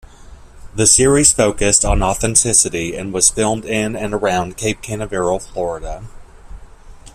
The series focused on authenticity and was filmed in and around Cape Canaveral, Florida.